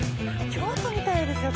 京都みたいですよ